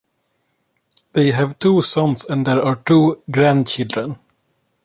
They had two sons and there are two grandchildren.